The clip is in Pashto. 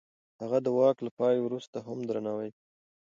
هغه د واک له پای وروسته هم درناوی کېده.